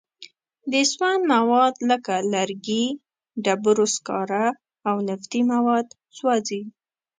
د سون مواد لکه لرګي، ډبرو سکاره او نفتي مواد سوځي.